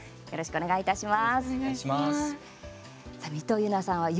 よろしくお願いします。